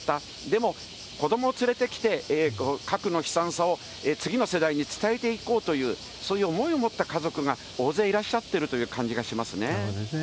でも、子どもを連れてきて、核の悲惨さを次の世代に伝えていこうという、そういう思いを持った家族が大勢いらっしゃってるという感じがしなるほどですね。